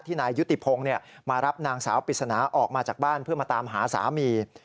นายยุติพงศ์มารับนางสาวปริศนาออกมาจากบ้านเพื่อมาตามหาสามี